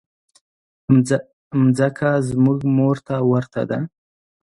مځکه زموږ مور ته ورته ده.